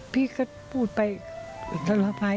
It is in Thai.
พี่ก็พูดไปจัดประวัติภัย